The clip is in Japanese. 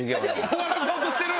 終わらそうとしてる！